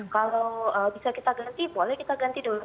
kalau bisa kita ganti boleh kita ganti dulu